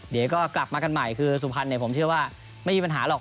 เดี๋ยวก็กลับมากันใหม่คือสุพรรณผมเชื่อว่าไม่มีปัญหาหรอก